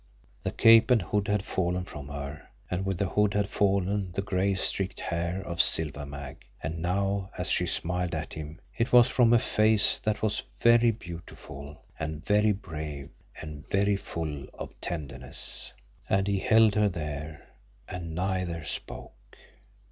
The cape and hood had fallen from her, and with the hood had fallen the gray streaked hair of Silver Mag and now as she smiled at him it was from a face that was very beautiful and very brave and very full of tenderness. And he held her there and neither spoke.